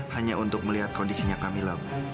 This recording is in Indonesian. hanya untuk melihat kondisinya camilla bu